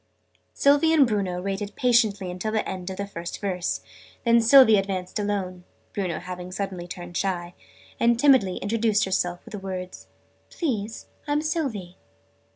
Sylvie and Bruno waited patiently till the end of the first verse. Then Sylvie advanced alone (Bruno having suddenly turned shy) and timidly introduced herself with the words "Please, I'm Sylvie!"